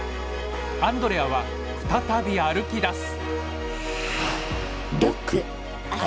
アンドレアは再び歩きだす。